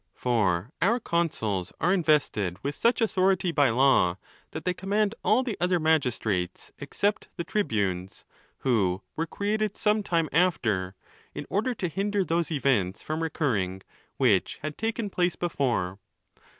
For our consuls are invested with such authority by law, that they command all the other magistrates, except the tribunes, who were created some time after, in order to hinder those events from recurring which had taken place before.